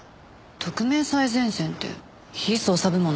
特命最前線って非捜査部門なんですか？